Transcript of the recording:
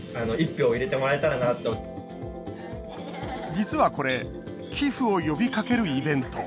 実は、これ寄付を呼びかけるイベント。